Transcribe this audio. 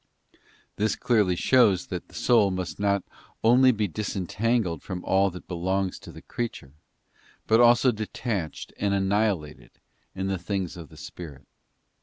This clearly shows that the soul must be not only disentangled from all that belongs to the creature, but also detached and annihilated in the things of the spirit.